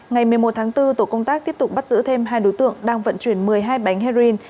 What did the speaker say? ngày một mươi một tháng bốn tổ công tác tiếp tục bắt giữ thêm hai đối tượng đang vận chuyển một mươi hai bánh heroin